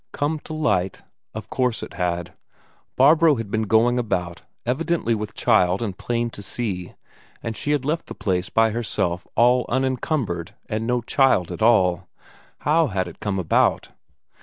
Come to light? Of course it had. Barbro had been going about, evidently with child and plain to see, and she had left the place by herself all unencumbered and no child at all. How had it come about?